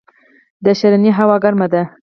د ښرنې هوا ګرمه ده